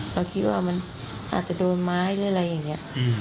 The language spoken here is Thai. เราคิดว่ามันอาจจะโดนไม้หรืออะไรอย่างนี้